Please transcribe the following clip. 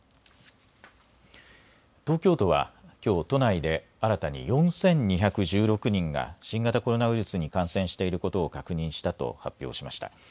東京都は、きょう都内で新たに４２１６人が、新型コロナウイルスに感染していることを確認したと発表しました。